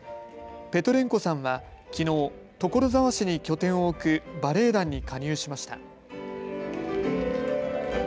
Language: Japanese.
ペトレンコさんは、きのう所沢市に拠点を置くバレエ団に加入しました。